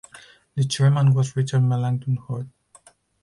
The Chairman was Richard Melancthon Hurd.